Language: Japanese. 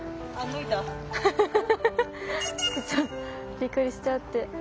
びっくりしちゃうって。